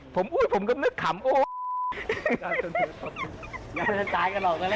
ผมก็นึกขำโอ๊ย